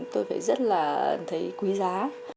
tôi thấy rất là quý giá